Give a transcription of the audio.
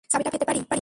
চাবিটা পেতে পারি?